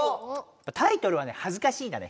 タイトルはね「はずかしい」だね。